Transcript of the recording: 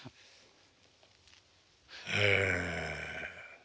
ええ。